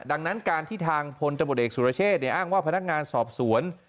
ดังนั้นการที่ทางพลตำรวจเอกสุรเชษฐอ้างว่าพนักงานสอบสวน